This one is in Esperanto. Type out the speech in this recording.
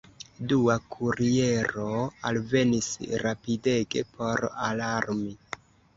Dua kuriero alvenis rapidege por alarmi.